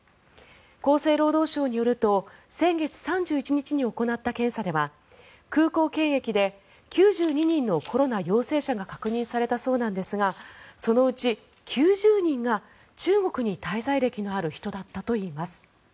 厚生労働省によると先月３１日に行った検査では空港検疫で９２人のコロナ陽性者が確認されたそうですがそのうち９０人が中国に滞在歴のある人だったといいます。